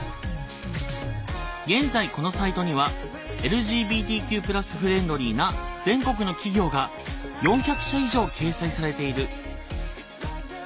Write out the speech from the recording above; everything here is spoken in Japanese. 現在このサイトにはＬＧＢＴＱ＋フレンドリーな全国の企業が４００社以上掲載されている。